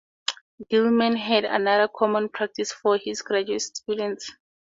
Gilman had another common practice for his graduate students.